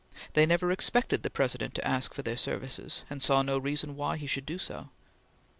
They never expected the President to ask for their services, and saw no reason why he should do so.